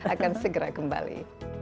akan segera kembali